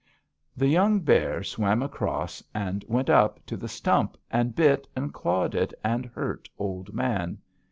"The young bear swam across and went up to the stump, and bit, and clawed it, and hurt Old Man.